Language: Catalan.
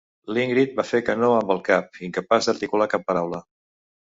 L'Ingrid va fer que no amb el cap, incapaç d'articular cap paraula.